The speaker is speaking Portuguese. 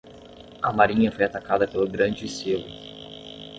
A marinha foi atacada pelo grande silo.